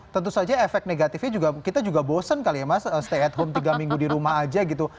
tentu saja efek negatifnya juga kita juga bosen kali ya mas stay at home tiga minggu di rumah aja gitu